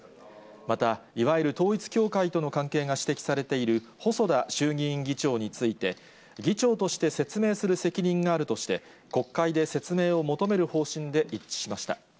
また、いわゆる統一教会との関係が指摘されている細田衆議院議長について、議長として説明する責任があるとして、国会で説明を求める方針で一致しました。